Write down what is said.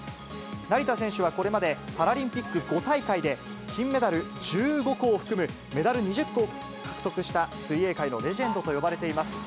成田選手はこれまで、パラリンピック５大会で、金メダル１５個を含むメダル２０個を獲得した水泳界のレジェンドと呼ばれています。